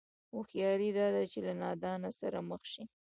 هوښياري دا ده چې له نادانه سره مخ شي.